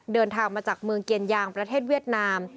เดินทางมาจากเมืองเกียรยางประเทศเวียดนาม